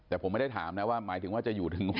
แต่ผมไม่ได้ถามนะว่าหมายถึงว่าจะอยู่ถึง